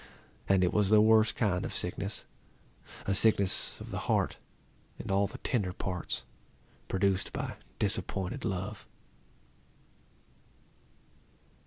And it was the worst kind of sickness, a sickness of the heart, and all the tender parts, produced by disappointed love.